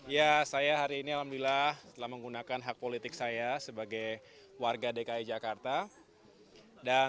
ya saya hari ini alhamdulillah telah menggunakan hak politik saya sebagai warga dki jakarta dan